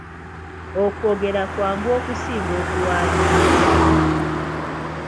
Okwogera kwangu okusinga okuwandiika.